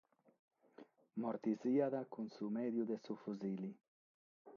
Morte siat cun su mèdiu de su fusile.